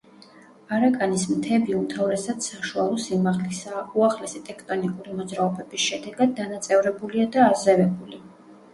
არაკანის მთები უმთავრესად საშუალო სიმაღლისაა, უახლესი ტექტონიკური მოძრაობების შედეგად დანაწევრებულია და აზევებული.